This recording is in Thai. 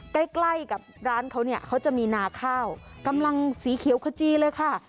ใกล้กับร้านเค้าจะมีนาข้าวกำลังสีเขียวครจิเลยค่ะ